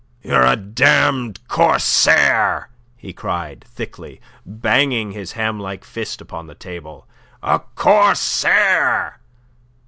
"You're a damned corsair," he cried, thickly, banging his ham like fist upon the table. "A corsair!